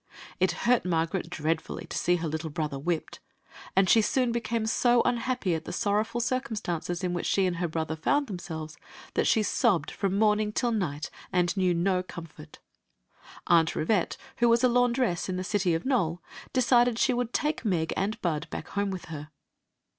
It hurt Margaret dreadfully to see her litde brother whipped, and she soon became so unhappy at the sorrowful circumstances in which she and her brother found themselves that she sobbed from morning ull night and knew no comfort Aunt Rivette, who was a laundress in the city of Nole, decided she would take Meg and Bud back home with her.